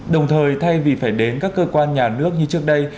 đồng thời thay vì phải đến các cơ quan nhà nước như trước đây